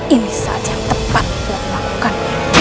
ini saja yang tepat untuk dilakukan